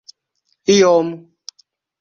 iom